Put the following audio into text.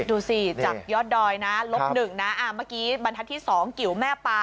ดูสิจากยอดดอยนะลบ๑นะเมื่อกี้บรรทัศน์ที่๒กิ๋วแม่ปลา